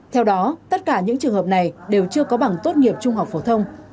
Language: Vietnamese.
theo đó tất cả những trường hợp này đều chưa có bằng tốt nghiệp trung học phổ thông